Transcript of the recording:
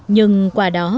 nhưng quả đó